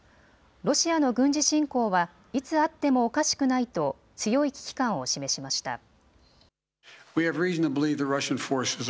ロシアの軍事侵攻は、いつあってもおかしくないと強い危機感を示しました。